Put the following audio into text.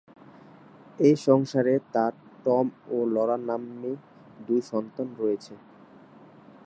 এ সংসারে তার "টম" ও "লরা" নাম্নী দুই সন্তান রয়েছে।